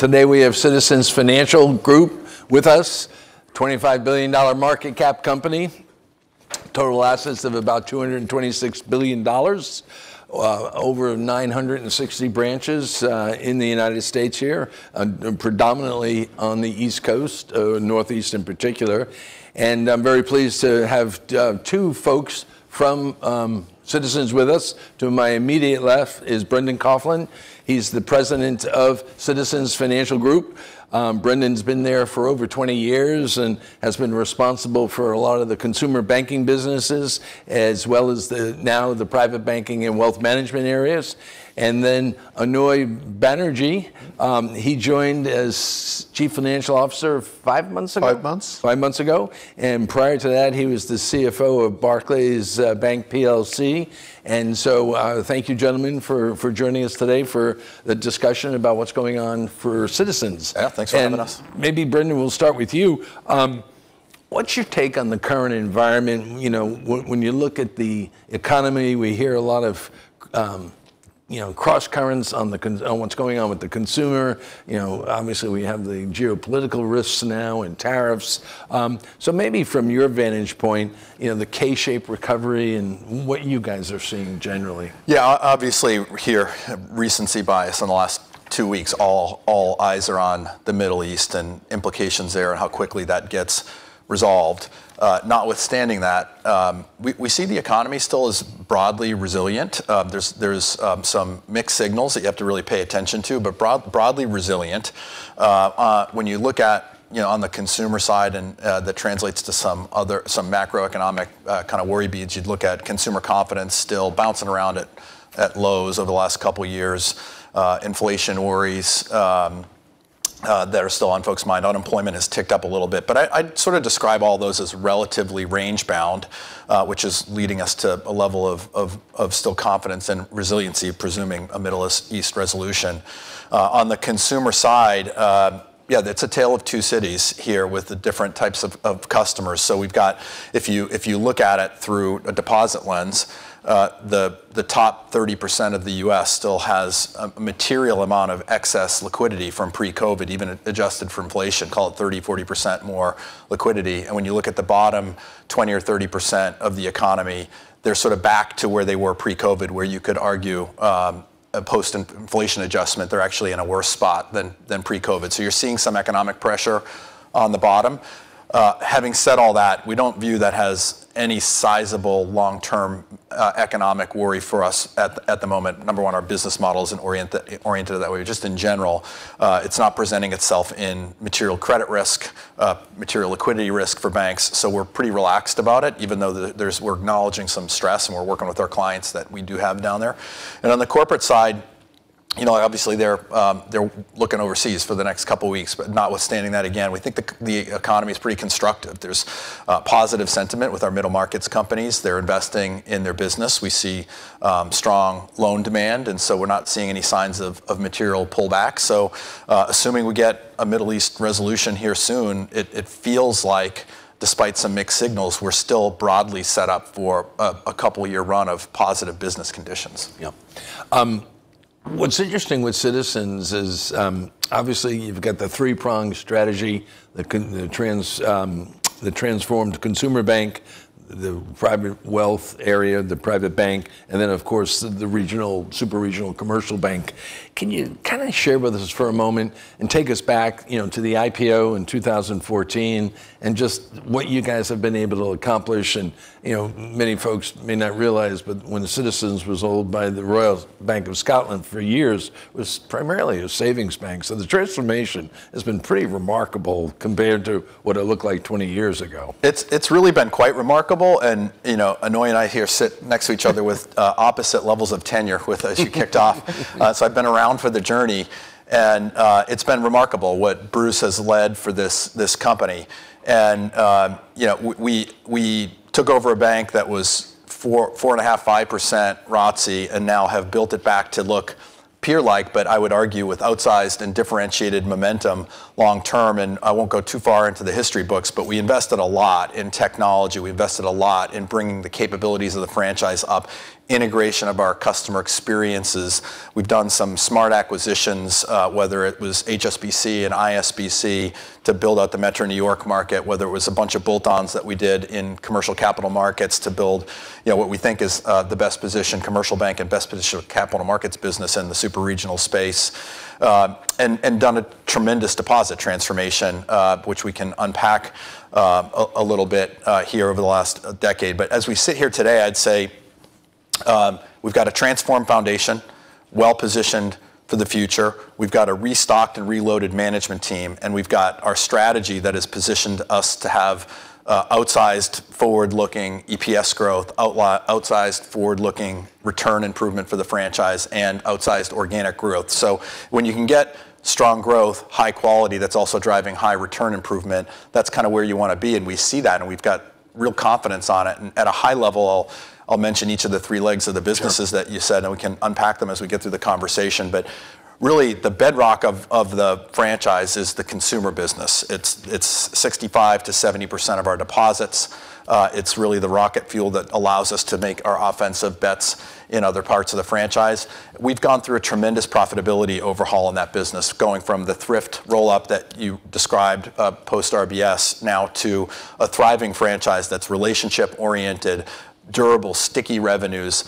Today we have Citizens Financial Group with us. $25 billion market cap company. Total assets of about $226 billion. Over 960 branches in the United States here. Predominantly on the East Coast, Northeast in particular. I'm very pleased to have two folks from Citizens with us. To my immediate left is Brendan Coughlin. He's the President of Citizens Financial Group. Brendan's been there for over 20 years and has been responsible for a lot of the consumer banking businesses, as well as the, now the Private Banking and wealth management areas. Aunoy Banerjee. He joined as Chief Financial Officer five months ago? Five months. Five months ago. Prior to that, he was the CFO of Barclays Bank PLC. Thank you, gentlemen, for joining us today for a discussion about what's going on for Citizens. Yeah, thanks for having us. Maybe Brendan, we'll start with you. What's your take on the current environment? You know, when you look at the economy, we hear a lot of, you know, cross currents on what's going on with the consumer. You know, obviously, we have the geopolitical risks now and tariffs. Maybe from your vantage point, you know, the K-shaped recovery and what you guys are seeing generally. Yeah. Obviously, here, recency bias in the last two weeks, all eyes are on the Middle East and implications there, and how quickly that gets resolved. Notwithstanding that, we see the economy still as broadly resilient. There's some mixed signals that you have to really pay attention to, but broadly resilient. When you look at, you know, on the consumer side and that translates to some other macroeconomic kind of worry beads, you'd look at consumer confidence still bouncing around at lows over the last couple years. Inflation worries that are still on folks' mind. Unemployment has ticked up a little bit. I'd sort of describe all those as relatively range-bound, which is leading us to a level of still confidence and resiliency, presuming a Middle East resolution. On the consumer side, yeah, that's a tale of two cities here with the different types of customers. We've got. If you look at it through a deposit lens, the top 30% of the U.S. still has a material amount of excess liquidity from pre-COVID, even adjusted for inflation. Call it 30%, 40% more liquidity. When you look at the bottom 20% or 30% of the economy, they're sort of back to where they were pre-COVID, where you could argue, a post-inflation adjustment, they're actually in a worse spot than pre-COVID. You're seeing some economic pressure on the bottom. Having said all that, we don't view that as any sizable long-term economic worry for us at the moment. Number one, our business model isn't oriented that way. Just in general, it's not presenting itself in material credit risk, material liquidity risk for banks, so we're pretty relaxed about it, even though we're acknowledging some stress, and we're working with our clients that we do have down there. On the corporate side, you know, obviously, they're looking overseas for the next couple weeks. Notwithstanding that, again, we think the economy is pretty constructive. There's positive sentiment with our middle markets companies. They're investing in their business. We see strong loan demand, and so we're not seeing any signs of material pullback. Assuming we get a Middle East resolution here soon, it feels like, despite some mixed signals, we're still broadly set up for a couple year run of positive business conditions. Yeah. What's interesting with Citizens is, obviously, you've got the three-pronged strategy. The transformed Consumer Bank, the Private Wealth area, the Private Bank, and then of course, the regional, super regional Commercial Bank. Can you kinda share with us for a moment and take us back, you know, to the IPO in 2014, and just what you guys have been able to accomplish? You know, many folks may not realize, but when Citizens was owned by the Royal Bank of Scotland for years, it was primarily a savings bank. The transformation has been pretty remarkable compared to what it looked like 20 years ago. It's really been quite remarkable, and you know, Aunoy and I here sit next to each other with opposite levels of tenure with, as you kicked off. I've been around for the journey, and it's been remarkable what Bruce has led for this company. We took over a bank that was 4.5% ROTCE, and now have built it back to look peer-like, but I would argue with outsized and differentiated momentum long term. I won't go too far into the history books, but we invested a lot in technology. We invested a lot in bringing the capabilities of the franchise up, integration of our customer experiences. We've done some smart acquisitions, whether it was HSBC and Investors Bancorp to build out the metro New York market, whether it was a bunch of bolt-ons that we did in commercial capital markets to build, you know, what we think is the best positioned Commercial Bank and best positioned capital markets business in the super regional space. And done a tremendous deposit transformation, which we can unpack a little bit here over the last decade. As we sit here today, I'd say, we've got a transformed foundation, well-positioned for the future. We've got a restocked and reloaded management team, and we've got our strategy that has positioned us to have, outsized forward-looking EPS growth, outsized forward-looking return improvement for the franchise, and outsized organic growth. when you can get strong growth, high quality that's also driving high return improvement, that's kinda where you wanna be. We see that, and we've got real confidence on it. At a high level, I'll mention each of the three legs of the businesses. Sure that you said, and we can unpack them as we get through the conversation. Really, the bedrock of the franchise is the consumer business. It's 65%-70% of our deposits. It's really the rocket fuel that allows us to make our offensive bets in other parts of the franchise. We've gone through a tremendous profitability overhaul in that business, going from the thrift roll-up that you described, post-RBS, now to a thriving franchise that's relationship-oriented, durable, sticky revenues.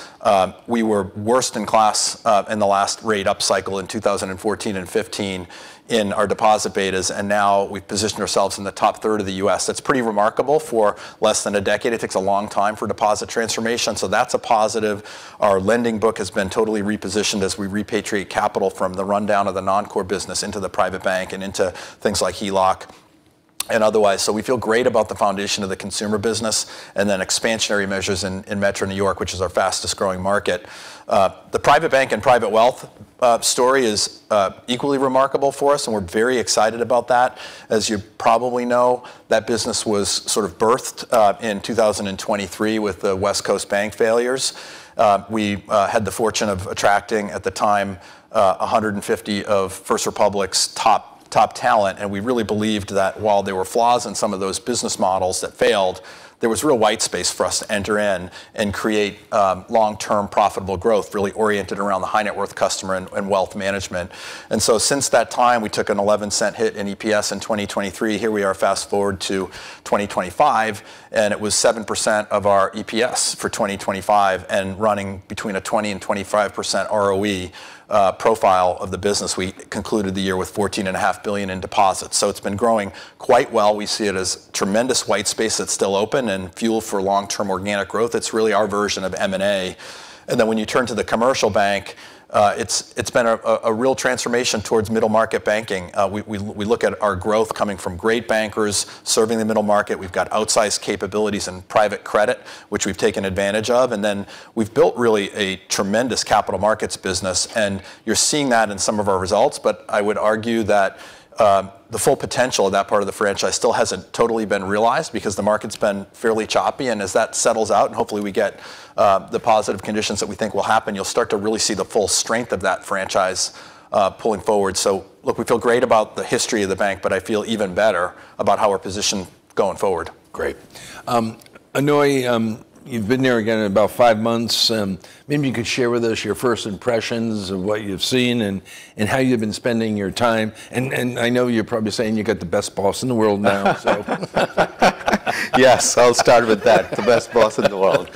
We were worst in class in the last rate up cycle in 2014 and 2015 in our deposit betas, and now we've positioned ourselves in the top third of the U.S. That's pretty remarkable for less than a decade. It takes a long time for deposit transformation, so that's a positive. Our lending book has been totally repositioned as we repatriate capital from the rundown of the non-core business into the Private Bank and into things like HELOC and otherwise. We feel great about the foundation of the consumer business, and then expansionary measures in Metro New York, which is our fastest-growing market. The Private Bank and Private Wealth story is equally remarkable for us, and we're very excited about that. As you probably know, that business was sort of birthed in 2023 with the West Coast bank failures. We had the fortune of attracting, at the time, 150 of First Republic's top talent, and we really believed that while there were flaws in some of those business models that failed, there was real white space for us to enter in and create long-term profitable growth really oriented around the high-net-worth customer and wealth management. Since that time, we took a $0.11 hit in EPS in 2023. Here we are, fast-forward to 2025, and it was 7% of our EPS for 2025, and running between a 20%-25% ROE profile of the business. We concluded the year with $14.5 billion in deposits. It's been growing quite well. We see it as tremendous white space that's still open and fuel for long-term organic growth. It's really our version of M&A. When you turn to the Commercial Bank, it's been a real transformation towards middle market banking. We look at our growth coming from great bankers serving the middle market. We've got outsized capabilities in private credit, which we've taken advantage of. We've built really a tremendous capital markets business, and you're seeing that in some of our results. I would argue that the full potential of that part of the franchise still hasn't totally been realized because the market's been fairly choppy. As that settles out, and hopefully we get the positive conditions that we think will happen, you'll start to really see the full strength of that franchise pulling forward. Look, we feel great about the history of the bank, but I feel even better about how we're positioned going forward. Great. Aunoy, you've been there, again, about five months. Maybe you could share with us your first impressions of what you've seen and how you've been spending your time. I know you're probably saying you got the best boss in the world now, so. Yes, I'll start with that, the best boss in the world.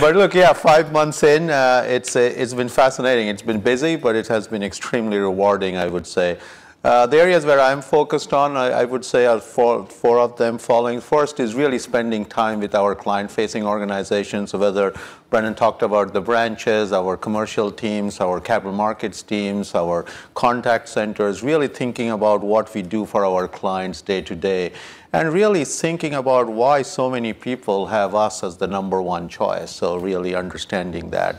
Look, yeah, five months in, it's been fascinating. It's been busy, but it has been extremely rewarding, I would say. The areas where I'm focused on, I would say are four of them following. First is really spending time with our client-facing organizations, whether Brendan talked about the branches, our commercial teams, our capital markets teams, our contact centers, really thinking about what we do for our clients day to day, and really thinking about why so many people have us as the number one choice, so really understanding that.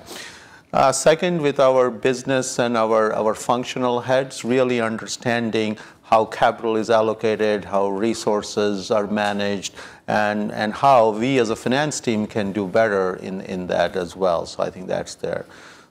Second, with our business and our functional heads, really understanding how capital is allocated, how resources are managed, and how we as a finance team can do better in that as well. I think that's there.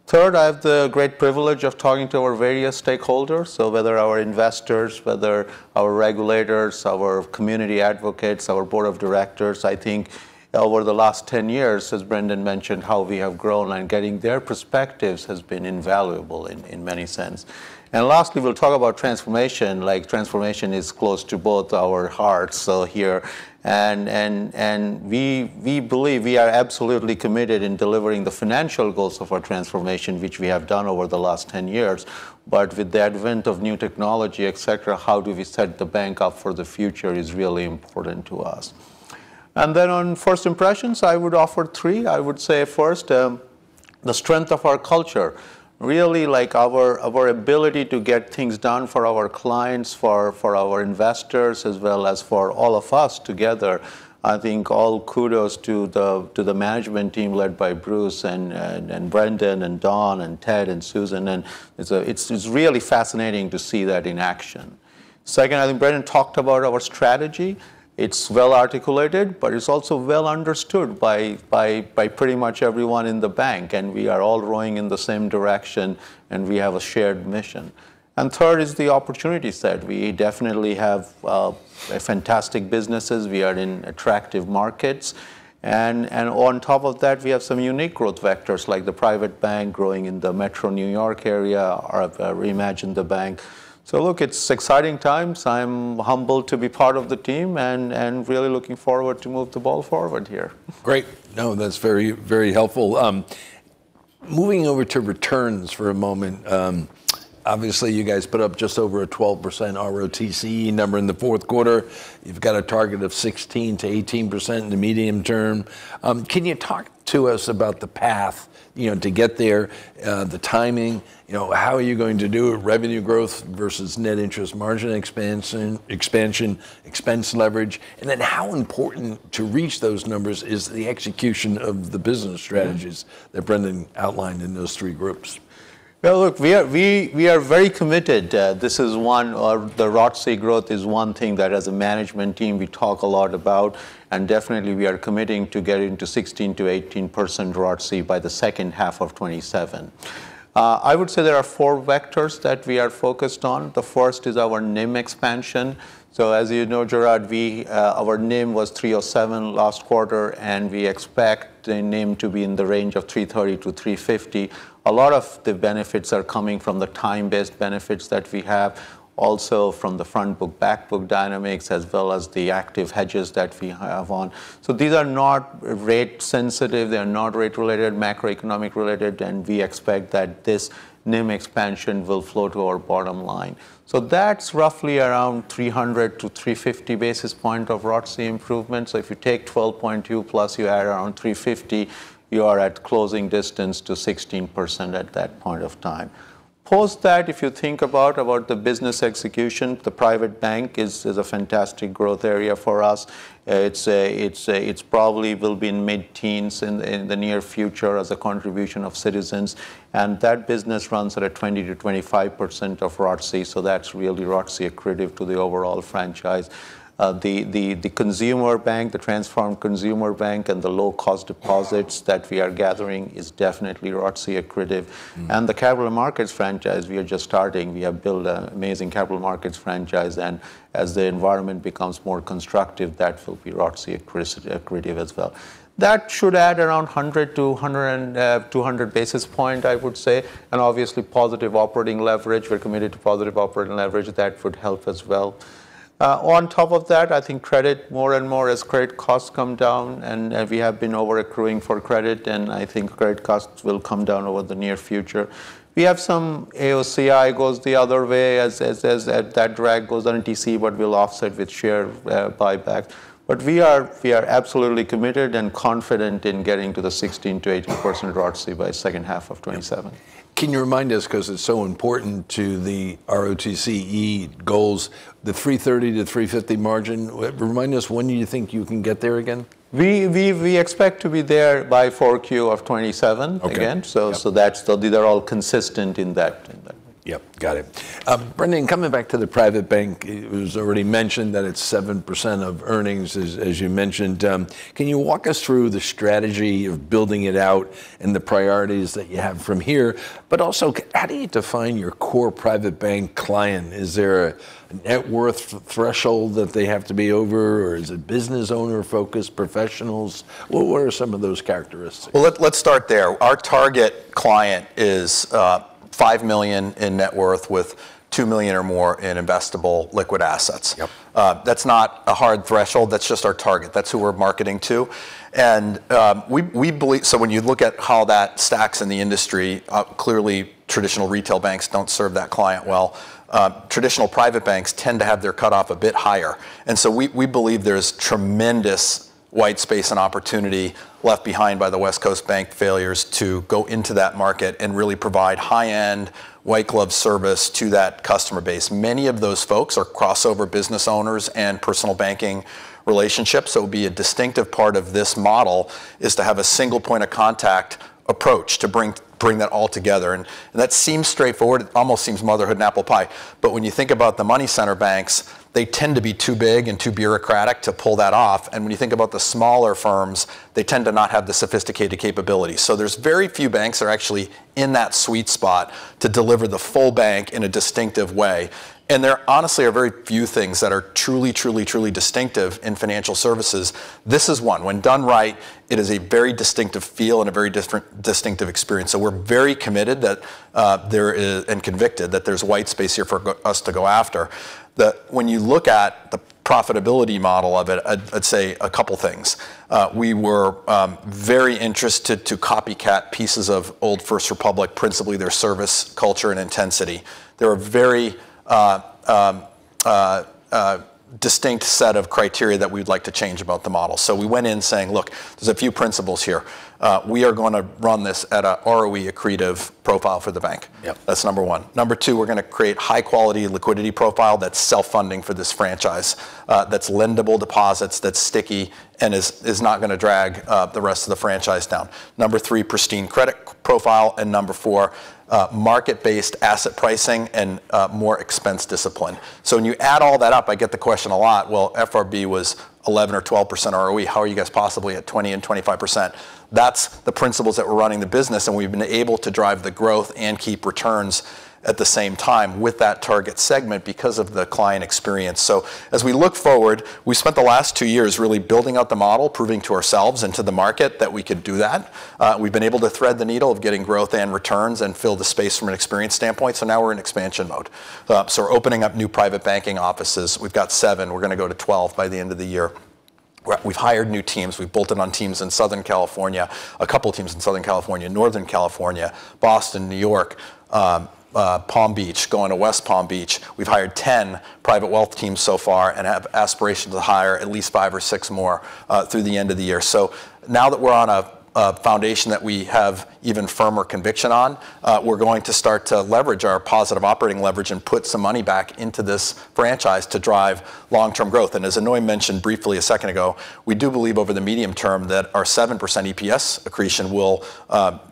Third, I have the great privilege of talking to our various stakeholders, so whether our investors, whether our regulators, our community advocates, our board of directors. I think over the last 10 years, as Brendan mentioned, how we have grown, and getting their perspectives has been invaluable in many sense. Lastly, we'll talk about transformation, like transformation is close to both our hearts so here. We believe we are absolutely committed in delivering the financial goals of our transformation, which we have done over the last 10 years. But with the advent of new technology, et cetera, how do we set the bank up for the future is really important to us. On first impressions, I would offer three. I would say first, the strength of our culture, really like our ability to get things done for our clients, for our investors, as well as for all of us together. I think all kudos to the management team led by Bruce and Brendan and Don and Ted and Susan, and it's really fascinating to see that in action. Second, I think Brendan talked about our strategy. It's well articulated, but it's also well understood by pretty much everyone in the bank, and we are all rowing in the same direction, and we have a shared mission. Third is the opportunity set. We definitely have a fantastic businesses. We are in attractive markets. On top of that, we have some unique growth vectors, like the Private Bank growing in the Metro New York area, our Reimagine the Bank. Look, it's exciting times. I'm humbled to be part of the team and really looking forward to move the ball forward here. Great. No, that's very, very helpful. Moving over to returns for a moment, obviously, you guys put up just over a 12% ROTCE number in the fourth quarter. You've got a target of 16%-18% in the medium term. Can you talk to us about the path, you know, to get there, the timing? You know, how are you going to do revenue growth versus net interest margin expansion, expense leverage? How important to reach those numbers is the execution of the business strategies that Brendan outlined in those three groups? Well, look, we are very committed. This is one of the ROTCE growth is one thing that as a management team we talk a lot about, and definitely we are committing to get into 16%-18% ROTCE by the second half of 2027. I would say there are four vectors that we are focused on. The first is our NIM expansion. So as you know, Gerard, our NIM was 3.07% last quarter, and we expect the NIM to be in the range of 3.30%-3.50%. A lot of the benefits are coming from the time-based benefits that we have, also from the front book, back book dynamics, as well as the active hedges that we have on. These are not rate sensitive, they're not rate related, macroeconomic related, and we expect that this NIM expansion will flow to our bottom line. That's roughly around 300-350 basis points of ROTCE improvement. If you take 12.2 plus you add around 350, you are at closing distance to 16% at that point of time. Post that, if you think about the business execution, the Private Bank is a fantastic growth area for us. It's probably will be in mid-teens in the near future as a contribution of Citizens, and that business runs at a 20%-25% ROTCE, so that's really ROTCE accretive to the overall franchise. The consumer bank, the transformed consumer bank, and the low-cost deposits that we are gathering is definitely ROTCE accretive. Mm. The capital markets franchise, we are just starting. We have built an amazing capital markets franchise, and as the environment becomes more constructive, that will be ROTCE accretive as well. That should add around 100-200 basis points, I would say, and obviously positive operating leverage. We're committed to positive operating leverage. That would help as well. On top of that, I think credit more and more as credit costs come down and we have been over-accruing for credit, and I think credit costs will come down in the near future. We have some AOCI goes the other way as that drag goes on in D.C., but we'll offset with share buyback. We are absolutely committed and confident in getting to the 16%-18% ROTCE by second half of 2027. Can you remind us, because it's so important to the ROTCE goals, the 3.30%-3.50% margin, remind us when you think you can get there again? We expect to be there by 4Q of 2027 again. Okay. Yep. These are all consistent in that. Yep. Got it. Brendan, coming back to the Private Bank, it was already mentioned that it's 7% of earnings, as you mentioned. Can you walk us through the strategy of building it out and the priorities that you have from here? Also, how do you define your core Private Bank client? Is there a net worth threshold that they have to be over, or is it business owner focused professionals? What are some of those characteristics? Well, let's start there. Our target client is $5 million in net worth with $2 million or more in investable liquid assets. Yep. That's not a hard threshold. That's just our target. That's who we're marketing to. We believe when you look at how that stacks in the industry, clearly traditional retail banks don't serve that client well. Traditional Private Banks tend to have their cutoff a bit higher, and we believe there's tremendous white space and opportunity left behind by the West Coast bank failures to go into that market and really provide high-end, white glove service to that customer base. Many of those folks are crossover business owners and personal banking relationships, so it would be a distinctive part of this model, is to have a single point of contact approach to bring that all together, and that seems straightforward. It almost seems motherhood and apple pie. When you think about the money center banks, they tend to be too big and too bureaucratic to pull that off, and when you think about the smaller firms, they tend to not have the sophisticated capabilities. There's very few banks that are actually in that sweet spot to deliver the full bank in a distinctive way, and there honestly are very few things that are truly distinctive in financial services. This is one. When done right, it is a very distinctive feel and a very different distinctive experience, so we're very committed that there is, and convinced, that there's white space here for us to go after. When you look at the profitability model of it, I'd say a couple things. We were very interested to copycat pieces of old First Republic, principally their service culture and intensity. There are a very, distinct set of criteria that we'd like to change about the model. We went in saying, "Look, there's a few principles here. We are gonna run this at a ROE accretive profile for the bank. Yep. That's number one. Number two, we're gonna create high quality liquidity profile that's self-funding for this franchise, that's lendable deposits, that's sticky, and is not gonna drag the rest of the franchise down. Number three, pristine credit profile, and number four, market-based asset pricing and more expense discipline. When you add all that up, I get the question a lot, "Well, FRB was 11% or 12% ROE. How are you guys possibly at 20% and 25%?" That's the principles that we're running the business, and we've been able to drive the growth and keep returns at the same time with that target segment because of the client experience. As we look forward, we spent the last two years really building out the model, proving to ourselves and to the market that we could do that. We've been able to thread the needle of getting growth and returns and fill the space from an experience standpoint, so now we're in expansion mode. We're opening up new Private Banking offices. We've got seven. We're gonna go to 12 by the end of the year. We've hired new teams. We've built out teams in Southern California, a couple teams in Southern California, Northern California, Boston, New York, Palm Beach, going to West Palm Beach. We've hired 10 Private Wealth teams so far and have aspirations to hire at least five or six more through the end of the year. Now that we're on a foundation that we have even firmer conviction on, we're going to start to leverage our positive operating leverage and put some money back into this franchise to drive long-term growth. As Aunoy mentioned briefly a second ago, we do believe over the medium term that our 7% EPS accretion will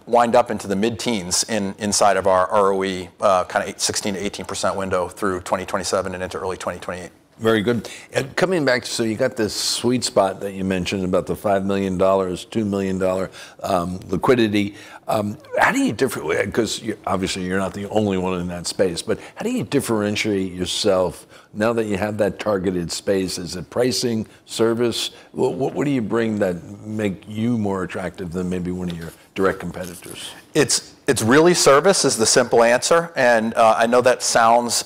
wind up into the mid-teens inside of our ROE kind of 8%, 16%-18% window through 2027 and into early 2028. Very good. Coming back to, you got this sweet spot that you mentioned about the $5 million, $2 million liquidity. How do you differentiate 'cause obviously you're not the only one in that space, but how do you differentiate yourself now that you have that targeted space? Is it pricing, service? What do you bring that make you more attractive than maybe one of your direct competitors? It's really service is the simple answer, and I know that sounds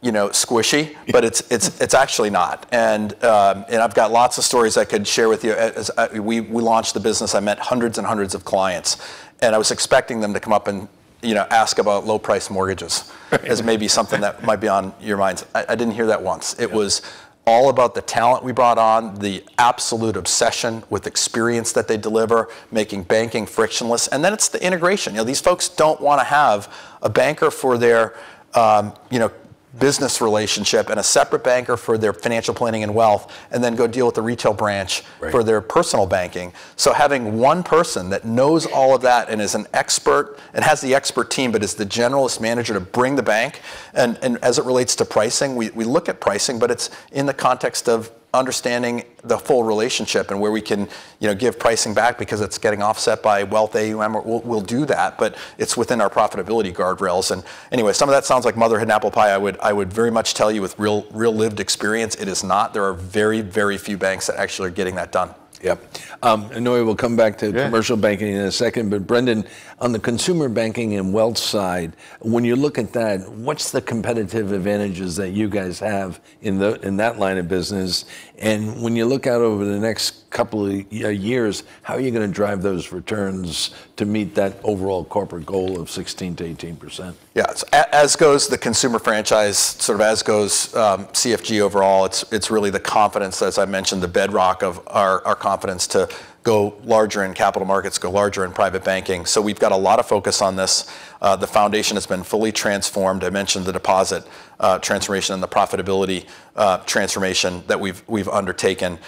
you know, squishy. It's actually not. I've got lots of stories I could share with you. As we launched the business, I met hundreds and hundreds of clients, and I was expecting them to come up and, you know, ask about low price mortgages 'cause it may be something that might be on your minds. I didn't hear that once. Yeah. It was all about the talent we brought on, the absolute obsession with experience that they deliver, making banking frictionless. It's the integration. You know, these folks don't want to have a banker for their, you know, business relationship and a separate banker for their financial planning and wealth, and then go deal with the retail branch- Right for their personal banking. Having one person that knows all of that and is an expert, and has the expert team, but is the generalist manager to bring the bank. As it relates to pricing, we look at pricing, but it's in the context of understanding the full relationship and where we can, you know, give pricing back because it's getting offset by wealth AUM, or we'll do that, but it's within our profitability guardrails. Anyway, some of that sounds like motherhood and apple pie. I would very much tell you with real lived experience, it is not. There are very few banks that actually are getting that done. Yeah. Noy, we'll come back to- Yeah Commercial Banking in a second. Brendan, on the Consumer Banking and wealth side, when you look at that, what's the competitive advantages that you guys have in the, in that line of business? And when you look out over the next couple years, how are you gonna drive those returns to meet that overall corporate goal of 16%-18%? Yeah. As goes the consumer franchise, sort of as goes CFG overall, it's really the confidence as I mentioned, the bedrock of our confidence to go larger in capital markets, go larger in Private Banking. We've got a lot of focus on this. The foundation has been fully transformed. I mentioned the deposit transformation and the profitability transformation that we've undertaken.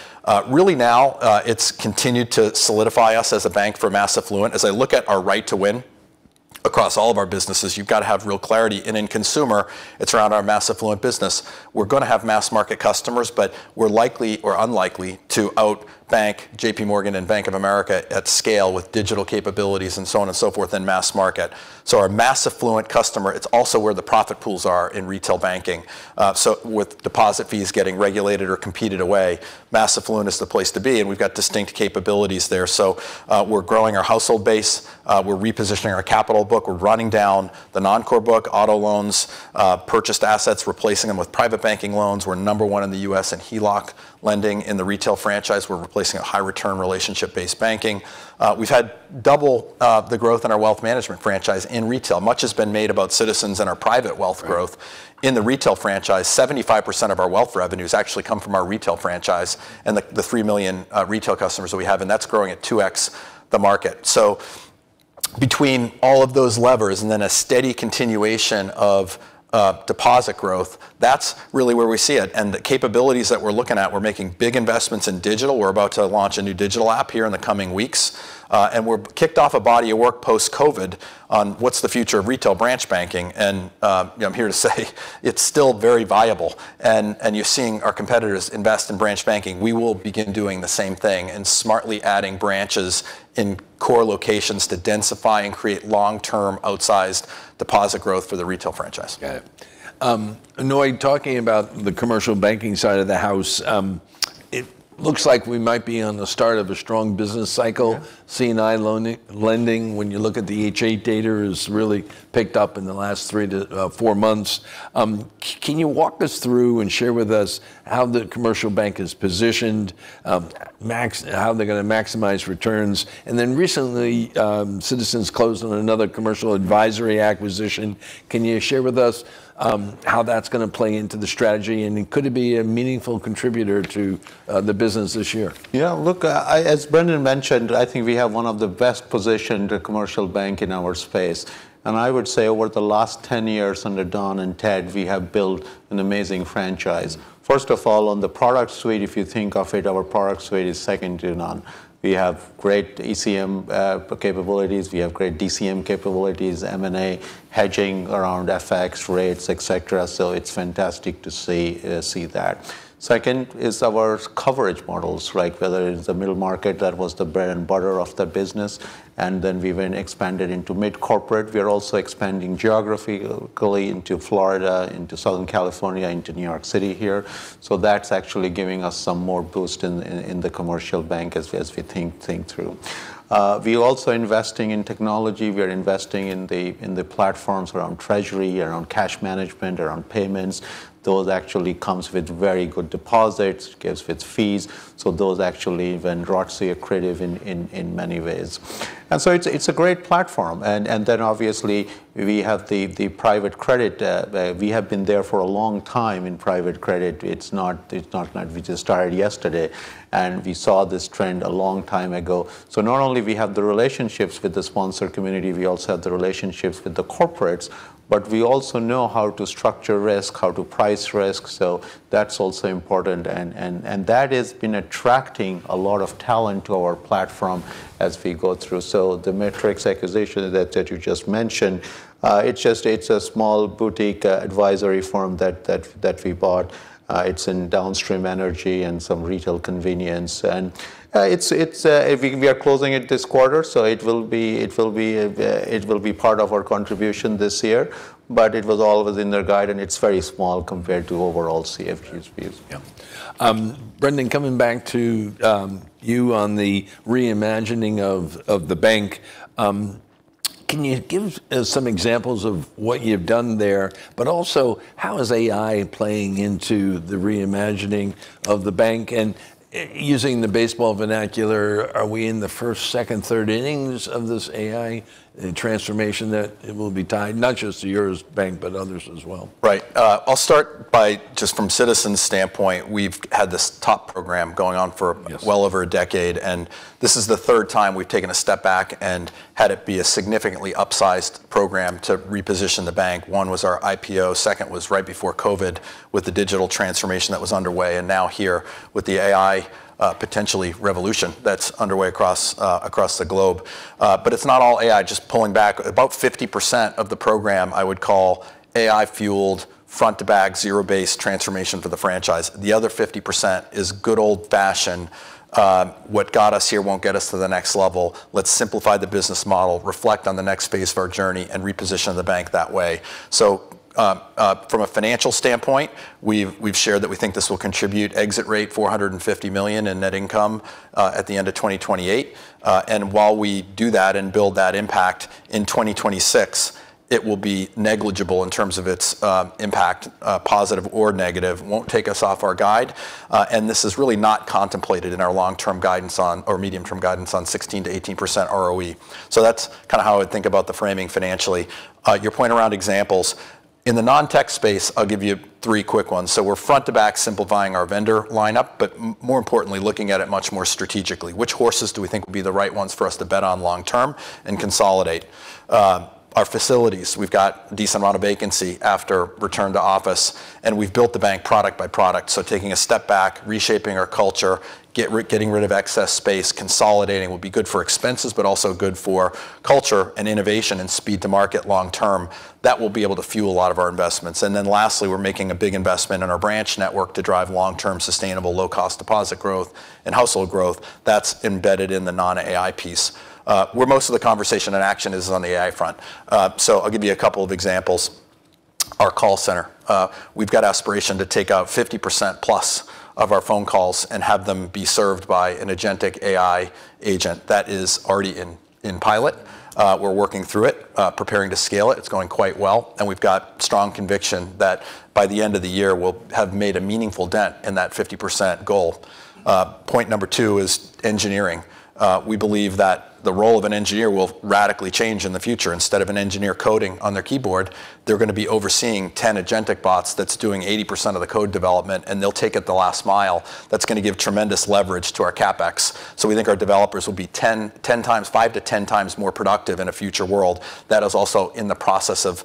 Really now, it's continued to solidify us as a bank for mass affluent. As I look at our right to win across all of our businesses, you've got to have real clarity, and in consumer, it's around our mass affluent business. We're gonna have mass market customers, but we're unlikely to out bank JPMorgan and Bank of America at scale with digital capabilities and so on and so forth in mass market. Our mass affluent customer, it's also where the profit pools are in retail banking. With deposit fees getting regulated or competed away, mass affluent is the place to be, and we've got distinct capabilities there. We're growing our household base. We're repositioning our capital book. We're running down the non-core book, auto loans, purchased assets, replacing them with Private Banking loans. We're number one in the U.S. in HELOC lending in the retail franchise. We're replacing a high return relationship based banking. We've had double the growth in our wealth management franchise in retail. Much has been made about Citizens and our Private Wealth growth. Right. In the retail franchise, 75% of our wealth revenues actually come from our retail franchise and the 3 million retail customers that we have, and that's growing at 2x the market. Between all of those levers and then a steady continuation of deposit growth, that's really where we see it. The capabilities that we're looking at, we're making big investments in digital. We're about to launch a new digital app here in the coming weeks. We've kicked off a body of work post-COVID on what's the future of retail branch banking. You know, I'm here to say it's still very viable and you're seeing our competitors invest in branch banking. We will begin doing the same thing and smartly adding branches in core locations to densify and create long-term outsized deposit growth for the retail franchise. Got it. Aunoy, talking about the Commercial Banking side of the house, it looks like we might be on the start of a strong business cycle. Yeah. C&I loaning, lending, when you look at the H.8 data has really picked up in the last 3-4 months. Can you walk us through and share with us how the Commercial Bank is positioned, how they're gonna maximize returns? Recently, Citizens closed on another commercial advisory acquisition. Can you share with us how that's gonna play into the strategy, and could it be a meaningful contributor to the business this year? Yeah. Look, I, as Brendan mentioned, I think we have one of the best positioned Commercial Bank in our space. I would say over the last 10 years under Don and Ted, we have built an amazing franchise. First of all, on the product suite, if you think of it, our product suite is second to none. We have great ECM capabilities. We have great DCM capabilities, M&A, hedging around FX rates, et cetera. It's fantastic to see that. Second is our coverage models, like whether it's the middle market that was the bread and butter of the business, and then we've been expanded into mid-corporate. We're also expanding geographically into Florida, into Southern California, into New York City here. That's actually giving us some more boost in the Commercial Bank as we think through. We're also investing in technology. We are investing in the platforms around treasury, around cash management, around payments. Those actually comes with very good deposits, comes with fees, so those actually then drives the accretive in many ways. It's a great platform. Obviously we have the private credit, we have been there for a long time in private credit. It's not like we just started yesterday, we saw this trend a long time ago. Not only we have the relationships with the sponsor community, we also have the relationships with the corporates, but we also know how to structure risk, how to price risk. That's also important and that has been attracting a lot of talent to our platform as we go through. The Matrix acquisition that you just mentioned, it's just a small boutique advisory firm that we bought. It's in downstream energy and some retail convenience. We are closing it this quarter, so it will be part of our contribution this year, but it was all within the guide and it's very small compared to overall CFG's views. Yeah. Brendan, coming back to you on Reimagine the Bank. Can you give some examples of what you've done there? Also, how is AI playing into Reimagine the Bank? Using the baseball vernacular, are we in the first, second, third innings of this AI transformation that it will be tied, not just to your bank, but other banks as well? Right. I'll start by just from Citizens' standpoint, we've had this top program going on for- Yes ...well over a decade, this is the third time we've taken a step back and had it be a significantly upsized program to reposition the bank. One was our IPO, second was right before COVID with the digital transformation that was underway, and now here with the AI, potential revolution that's underway across the globe. It's not all AI. Just pulling back, about 50% of the program, I would call AI-fueled front to back, zero-based transformation for the franchise. The other 50% is good old-fashioned, what got us here won't get us to the next level. Let's simplify the business model, reflect on the next phase of our journey, and reposition the bank that way. From a financial standpoint, we've shared that we think this will contribute exit rate $450 million in net income at the end of 2028. While we do that and build that impact in 2026, it will be negligible in terms of its impact, positive or negative, won't take us off our guide. This is really not contemplated in our long-term guidance on or medium-term guidance on 16%-18% ROE. That's kind of how I would think about the framing financially. Your point around examples. In the non-tech space, I'll give you three quick ones. We're front to back simplifying our vendor lineup, but more importantly, looking at it much more strategically. Which horses do we think would be the right ones for us to bet on long term and consolidate? Our facilities, we've got decent amount of vacancy after return to office, and we've built the bank product by product. Taking a step back, reshaping our culture, getting rid of excess space, consolidating will be good for expenses, but also good for culture and innovation and speed to market long term. That will be able to fuel a lot of our investments. Lastly, we're making a big investment in our branch network to drive long-term, sustainable, low-cost deposit growth and household growth that's embedded in the non-AI piece. Where most of the conversation and action is on the AI front. I'll give you a couple of examples. Our call center, we've got aspiration to take out 50%+ of our phone calls and have them be served by an agentic AI agent that is already in pilot. We're working through it, preparing to scale it. It's going quite well, and we've got strong conviction that by the end of the year, we'll have made a meaningful dent in that 50% goal. Point number two is engineering. We believe that the role of an engineer will radically change in the future. Instead of an engineer coding on their keyboard, they're gonna be overseeing 10 agentic bots that's doing 80% of the code development, and they'll take it the last mile. That's gonna give tremendous leverage to our CapEx. We think our developers will be ten times, five to ten times more productive in a future world. That is also in the process of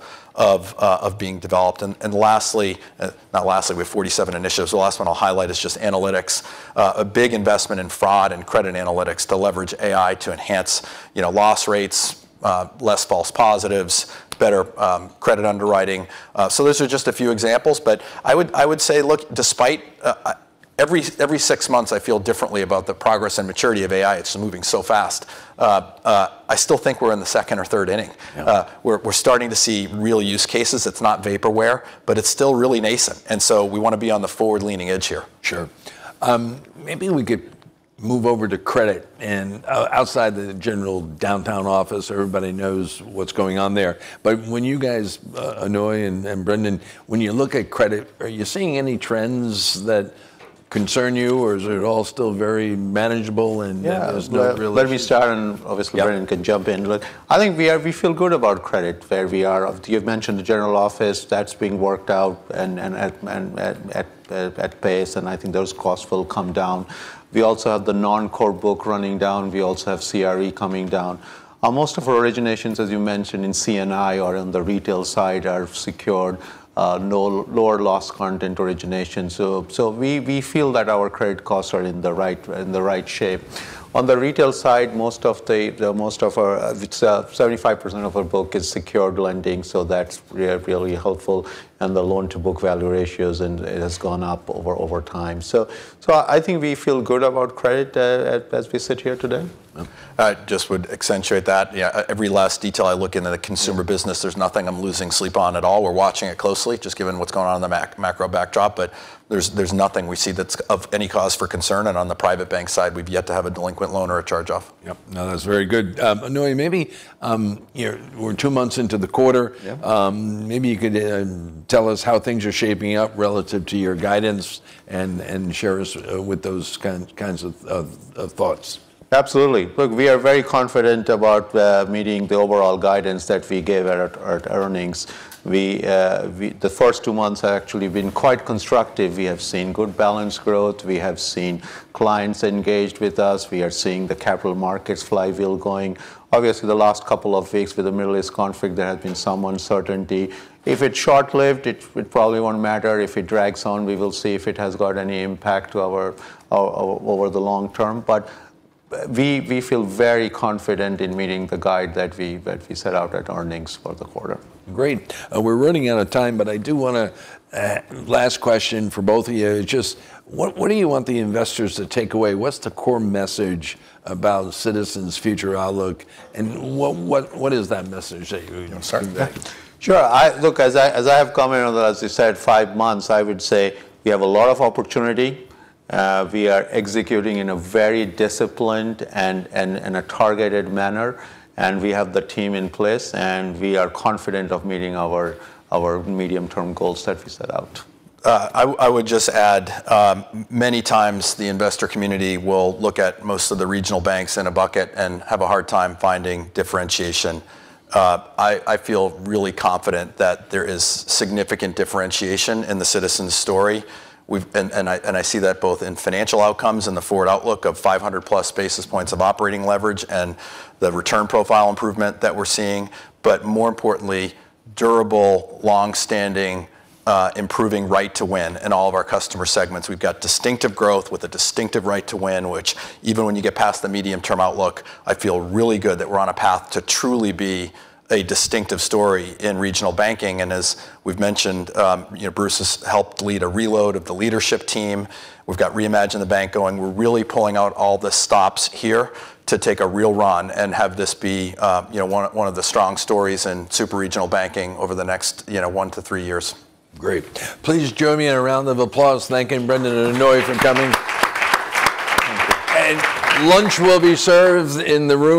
being developed. Lastly, not lastly, we have 47 initiatives. The last one I'll highlight is just analytics. A big investment in fraud and credit analytics to leverage AI to enhance loss rates, less false positives, better credit underwriting. Those are just a few examples, but I would say, look, despite every six months I feel differently about the progress and maturity of AI. It's moving so fast. I still think we're in the second or third inning. Yeah. We're starting to see real use cases. It's not vaporware, but it's still really nascent, and so we wanna be on the forward-leaning edge here. Sure. Maybe we could move over to credit and outside the general downtown office. Everybody knows what's going on there. When you guys, Aunoy and Brendan, when you look at credit, are you seeing any trends that concern you, or is it all still very manageable, and there's no real issue? Yeah. Let me start, and obviously- Yeah Brendan can jump in. Look, I think we feel good about credit where we are. You've mentioned the office, that's being worked out and at pace, and I think those costs will come down. We also have the non-core book running down. We also have CRE coming down. Most of our originations, as you mentioned, in C&I or in the retail side are secured, lower loss content origination. So we feel that our credit costs are in the right shape. On the retail side, most of our 75% of our book is secured lending, so that's really helpful. The loan to book value ratios and it has gone up over time. I think we feel good about credit, as we sit here today. I just would accentuate that. Yeah, every last detail I look into the consumer business, there's nothing I'm losing sleep on at all. We're watching it closely, just given what's going on in the macro backdrop, but there's nothing we see that's of any cause for concern, and on the Private Bank side, we've yet to have a delinquent loan or a charge-off. Yep. No, that's very good. Aunoy, maybe we're two months into the quarter. Yeah. Maybe you could tell us how things are shaping up relative to your guidance and share with us those kinds of thoughts? Absolutely. Look, we are very confident about meeting the overall guidance that we gave at our earnings. The first two months have actually been quite constructive. We have seen good balance growth, we have seen clients engaged with us, we are seeing the capital markets flywheel going. Obviously, the last couple of weeks with the Middle East conflict, there has been some uncertainty. If it's short-lived, it would probably won't matter. If it drags on, we will see if it has got any impact to our over the long term. We feel very confident in meeting the guide that we set out at earnings for the quarter. Great. We're running out of time, but I do wanna last question for both of you. Just what do you want the investors to take away? What's the core message about Citizens' future outlook, and what is that message that you would give them? Sure. Look, as I have commented on, as you said, five months, I would say we have a lot of opportunity. We are executing in a very disciplined and in a targeted manner, and we have the team in place, and we are confident of meeting our medium-term goals that we set out. I would just add, many times the investor community will look at most of the regional banks in a bucket and have a hard time finding differentiation. I feel really confident that there is significant differentiation in the Citizens story. I see that both in financial outcomes and the forward outlook of 500+ basis points of operating leverage and the return profile improvement that we're seeing, but more importantly, durable, long-standing, improving right to win in all of our customer segments. We've got distinctive growth with a distinctive right to win, which even when you get past the medium-term outlook, I feel really good that we're on a path to truly be a distinctive story in regional banking. As we've mentioned, you know, Bruce has helped lead a reload of the leadership team. We've got Reimagine the Bank going. We're really pulling out all the stops here to take a real run and have this be, you know, one of the strong stories in super regional banking over the next, you know, one to three years. Great. Please join me in a round of applause thanking Brendan and Aunoy for coming. Lunch will be served in the room.